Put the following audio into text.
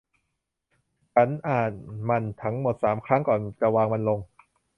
ฉันอ่านมันทั้งหมดสามครั้งก่อนจะวางมันลง